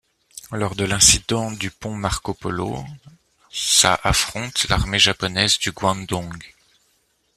Lors de l'incident du pont Marco Polo, sa affronte l'armée japonaise du Guandong.